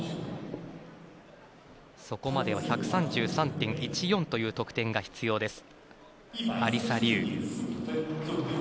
そこまでは１３３．１４という得点が必要です、アリサ・リウ。